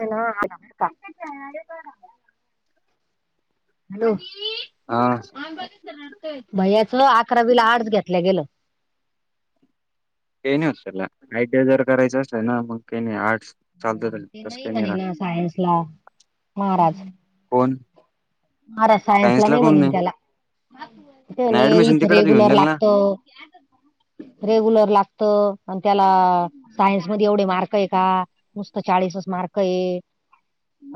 Hello.. हा.... hello हा भैयाच... अकरावीला आर्टस घेतल्या गेलं. ते नई होस्टेलल... आयटी जर करायचं असलं ना.. मग ते नई... आर्ट्स चालतं त्याला ते तसं नई काही नाही म्हणे राहत ना... सायन्सला महाराज कोण? महाराज... सायन्सला नई कोण म्हणी नाही त्याला त्ये आणि म्हणी... ऍडमिशन इथं तिकडच घेऊन रेगुलर द्याल ना लागतं रेग्युलर लागतं... अन त्याला... सायन्स मध्ये एवढे मार्क ए का? नुसतं चाळीसच मार्क ए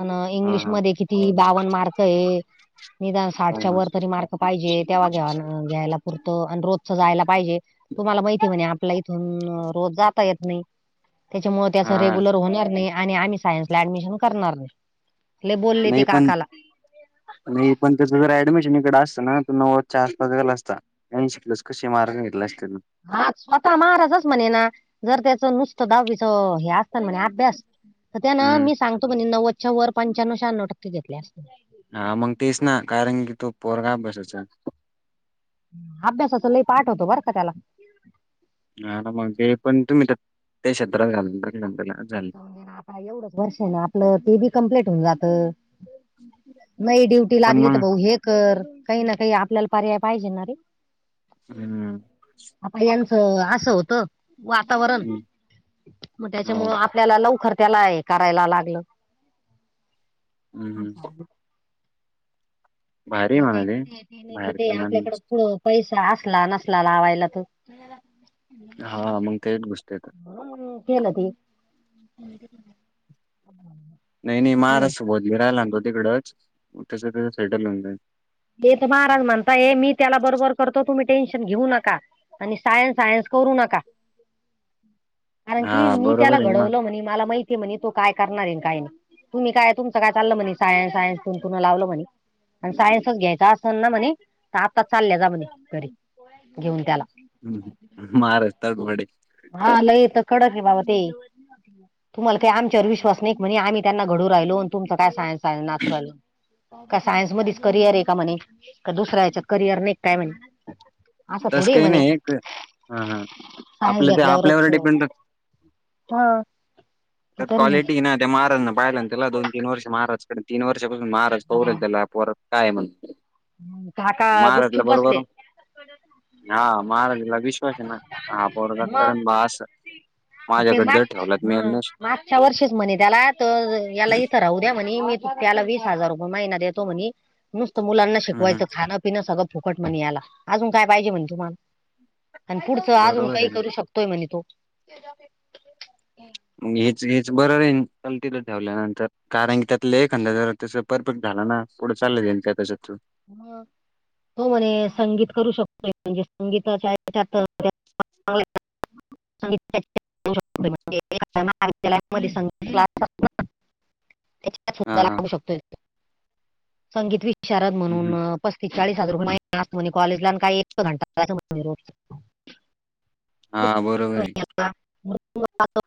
अन हा हा इंग्लिशमध्ये किती... बावन मार्क ए... निदान साठच्या हा वर तरी मार्क पाहिजे तेव्हा घ्या... घ्यायला पुरतं... अन रोजच जायला पाहिजे तुम्हाला माहिती म्हणे... आपल्या इथून रोज जाता येत नाई त्याच्यामुळे हा त्याचं हा. रेग्युलर होणार नाई आणि आम्ही सायन्सला ऍडमिशन करणार नाई. नई पण नई पण... त्याचं जर ऍडमिशन इकडं असतं ना... तो नव्वदच्या आसपास गेला असता. आईशी प्लस कसेही मार्क घेतले असते ना हा... स्वतः महाराजच म्हणे ना... जर त्याचं नुसतं दहावीचं... हे असतं ना म्हणे अभ्यास तर त्यानं... हम्म मी सांगतो म्हणे... नव्वदच्या वर... पंच्याण्णव शहाण्णव टक्के घेतले असते हा मग तेच ना... कारण की तो पोरगा अभ्यासाचा ए अभ्यासाचं लई पाठ होतो बरं का त्याला हा ना मग... ते पण... तुम्ही तर... त्या शेत्रात घालून टाकलं ना त्याला झालं [unintelligible] एवढच वर्ष आहे ना आपलं ते बी कंप्लीट होऊन जात म ड्युट ती आपण लागली मग तर भाऊ हे कर काही ना काही आपल्याला पर्याय पाहिजे ना रे! हम्म आता यांचं असं होतं वातावरण हम्म, हो त्याच्यामुळे आपल्याला लवकर त्याला करायला लागलं हम्म भारी आहे म्हणा नाही ते ते नाही ते बाहेरचं आपल्याकड पुढ पैसा असला नसला लावायला त हा मग तेच गुसतेेत हम्म केलं ते नाही, नाही आता तू- महाराष्ट राहिला तो तिकडंच तसंं सेटल होन जाईल ते तर महाराज म्हणता ये मी त्याला बरोबर करतो तुम्ही टेन्शन घेऊ नका आणि सायन्स, सायन्स करू नका कारण की हा मी त्याला बरोबर आहे ना घडवलं म्हणे मला माहिती म्हणे तो काय करणारेन काय नाही तु् काय तुमचं काय चाललं म्हणे सायन्स, सायन्स तुन, तून लावलं म्हणे आणि सायन्सच घ्यायचा असेल ना म्हणे आताच चालल्या जा म्हणे घरी घेऊन त्याला हम्म महाराष्ट्रात वडे हा लयेत कडक रे बाबा ते तुम्हाला काही आमच्यावर विश्वास नाही म्हणजे आम्ही त्यांना घडू राहिलो तुमचा काय सायन्स, सायन्स नाचू राहिलो का सायन्स मधच करियर आहे का म्हणे का दुसऱ्या या्याच्यात करिअर नाही काय म्हणे असं तस थोडी आहे काही म्हणे नाही हा, हां सायन्स आपलं ते घेतल्यावरच आपल्यावर डिपेंड हा मग त्यांनी क्वालिटी आहे ना महाराज पाहिला त्या दोन, तीन वर्ष माराजकडे तीन वर्षपासून महाराज पाहून राहिले हा. त्याला पोरत काय म्हण काका महाराजला गुपचुप बरोबर बसले हा महाराज ला विश्वास ना हा पोरगच मग करण आस ते माग मागच्या वर्षीच म्हणे त्याला तर याला इथं राहू द्या म्हणे मी त्याला वीस हजार रुपये महिनात देतो म्हणे नुसतं मुलांना हम् शिकवायचं खाण खान सगळं फुकट म्हणे याला अजून काय पाहिजे म्हण तुम्हाला आणि पुढचं अजून बरोबर काही आहे ना करू शक तोय म्हणे तो मग हेच हेच बरं रेन ल तिथ ठेवल्यानंतर कारण की त्यातला एक एखाद जरा तस परफेक्ट झाला ना पुढं चाल जाईल का त्याच्यात हम होो म्हणे संगीत करू शकतोय म्हणजे संगीताच्या च्यात संी मद्याल मध्ये संगीत क्लास त्याच्या हा सुधा हा लागू शकतोय तो संगीत विशारद हम्म हम्म. म्हणून पस्तीस चाळीस हजार रुपय महित म्ह कॉलेला का एक घंटा रोज हा बरोबर आहे ह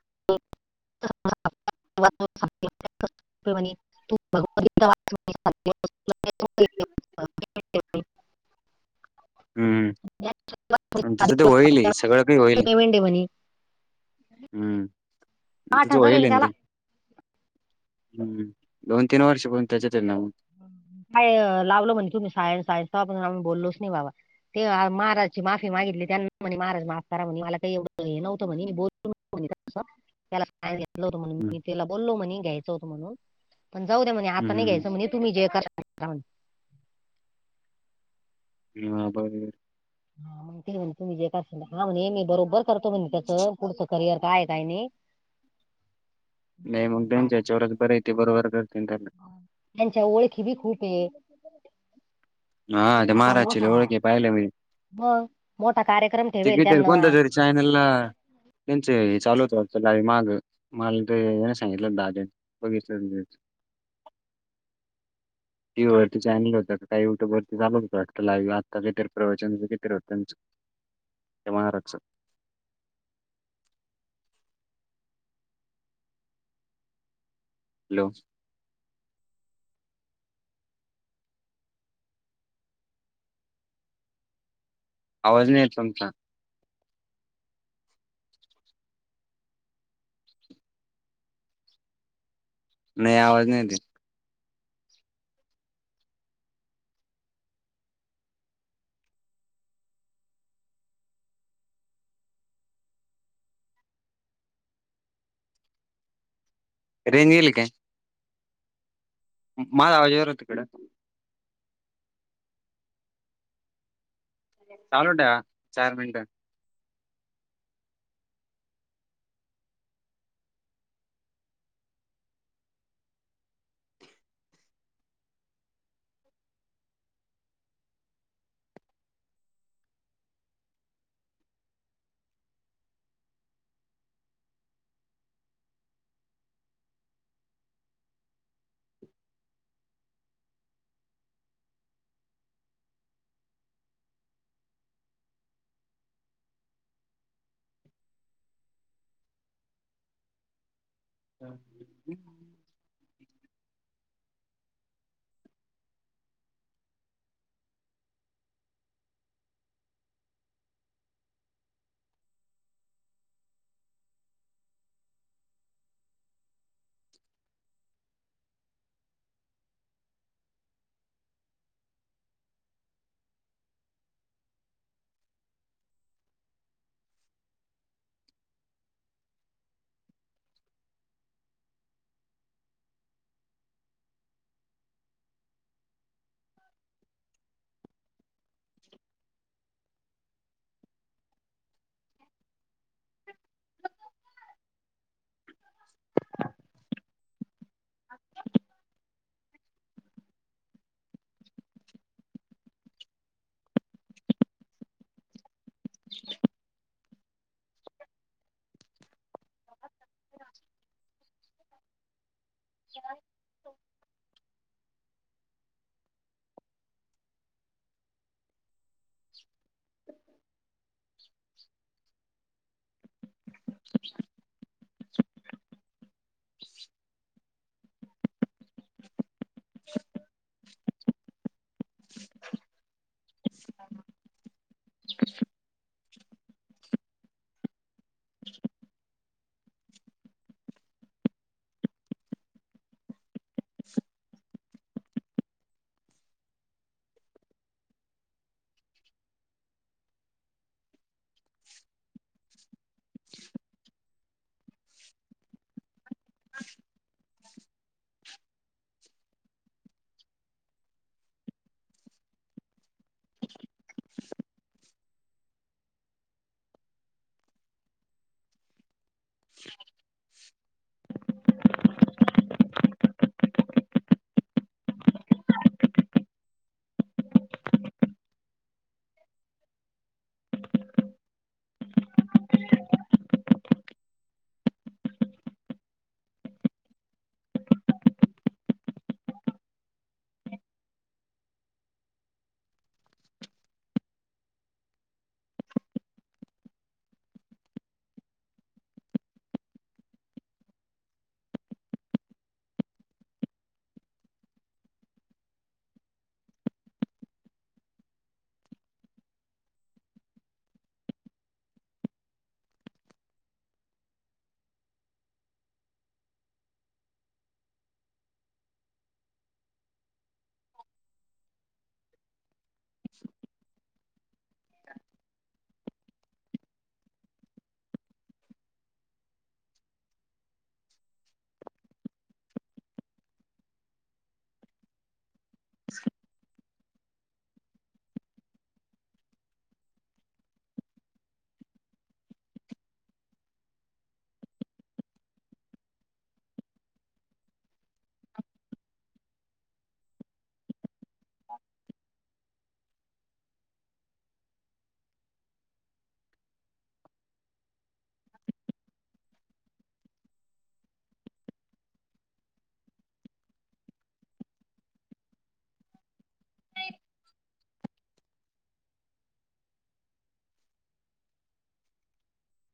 गव वाट हम् आणि तचं ते होईल सगळं काही होईल वं मणे हम्म आठ तचं हजार होईल आणि आहे ते त्याला हम्म दोन, तीन वर्ष पण त्याच्यात ना मग हाय लावलं म्हणे तुम्ही सायन्स, सायन्स पण बोललोच नाही बाबा ते महाराजची माफी मागितली त्यांना म्हणे महाराज माफ करा म्हणे मला काही एवढं हे नव्हतं म्हणे [unintelligible] त्याला घेतलं होतं म्हणून हम्म मी त्याला बोललो म्हणे घ्यायचं होतं म्हणून पण जाऊ द्या म्हणे आता हम्म नाही घ्यायचं म्हणे तुम्ही जे ह बरर हा ते म्हणे तुम् जे का हा म्हणे मी बरोबर करतो म्हणे त्याचं पुढचं करियर काय काय नाही नाही करतो मग म्हणे काय नाही. त्यांच्याच्यावरच बर य ते बरोबर करते त्याला त्यांच्या ओळखी बी खूप आहे हा ते त्यांना आता महाराज मोठा ओळखी पाहिलं म्हणजे मग मोठा कार्यक्रम ते ठेवेल कि त्यांना कोणत तरी चयनला त्यांचे चालूच माग मला नाही सांगितलं दहाद बघित टी व्ही वरती चॅनल होता काही टरतीचालू होत ला आता जिे प्रवचनचं जिर होत त्यांच महाराष्ट्र हॅलो आवाज नाही येत तम नाही आवाज नाही दे रेजील का माझ आवाज जरत ककडे चालट्या चार मिनट ह क ह स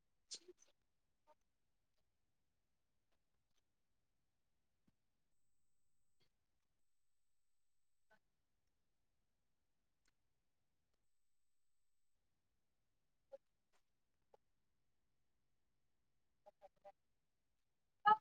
[inaudible] ह